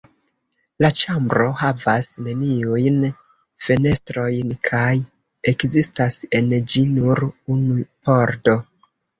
La ĉambro havas neniujn fenestrojn; kaj ekzistas en ĝi nur unu pordo.